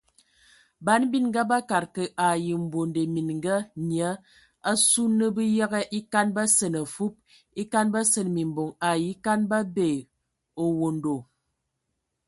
Ban bininga bakad kə ai mbonde mininga (nyia) asu na bə yəgə e kan basene afub e kan basen mimboŋ ai e kan babƐ owondo.